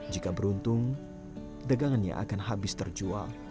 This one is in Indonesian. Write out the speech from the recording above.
jika beruntung dagangannya akan habis terjual